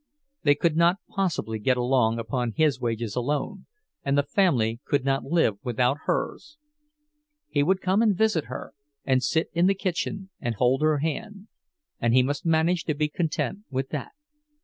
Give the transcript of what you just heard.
They could not possibly get along upon his wages alone, and the family could not live without hers. He could come and visit her, and sit in the kitchen and hold her hand, and he must manage to be content with that.